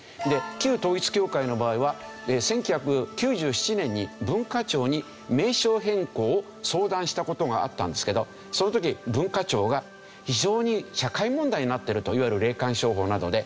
旧統一教会の場合は１９９７年に文化庁に名称変更を相談した事があったんですけどその時文化庁が非常に社会問題になっているといわゆる霊感商法などで。